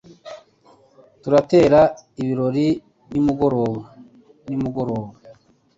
Turatera ibirori nimugoroba nimugoroba.